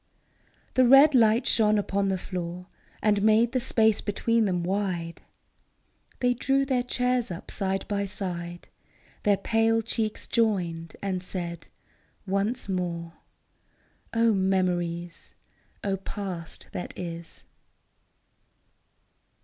The red light shone upon the floor And made the space between them wide : They drew their chairs up side by side, Their pale cheeks joined, and said, " Once more !" O memories ! O past that is